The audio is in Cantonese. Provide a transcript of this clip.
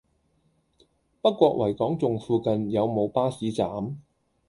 北角維港頌附近有無巴士站？